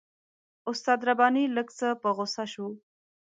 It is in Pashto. استاد رباني لږ څه په غوسه شو.